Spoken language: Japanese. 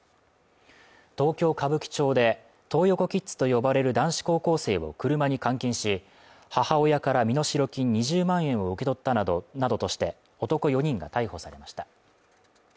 東京歌舞伎町でトー横キッズと呼ばれる男子高校生を車に監禁し、母親から身代金２０万円を受け取ったなどとして男４人が逮捕されました。